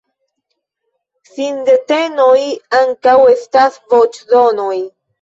Sindetenoj ankaŭ estas voĉdonoj.